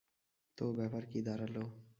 তো, ব্যাপার কি দাঁড়ালো?